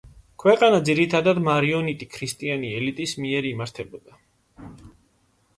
ქვეყანა ძირითადად მარონიტი ქრისტიანი ელიტის მიერ იმართებოდა.